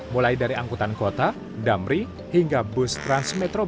mulai dari angkutan kota damri hingga bus transmetro